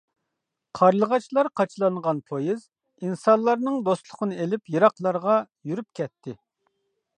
قارلىغاچلار قاچىلانغان پويىز ئىنسانلارنىڭ دوستلۇقىنى ئېلىپ يىراقلارغا يۈرۈپ كەتتى.